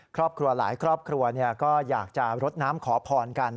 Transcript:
ครอบครัวหลายครอบครัวก็อยากจะรดน้ำขอพรกัน